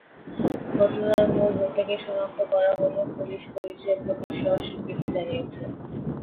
ঘটনার মূল হোতাকে শনাক্ত করা হলেও পুলিশ পরিচয় প্রকাশে অস্বীকৃতি জানিয়েছে।